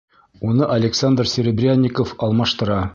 Уны Александр Серебрянников алмаштыра.